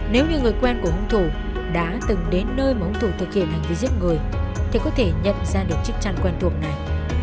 nếu như người quen của hung thủ đã từng đến nơi mà ông thủ thực hiện hành vi giết người thì có thể nhận ra được chiếc chăn quen thuộc này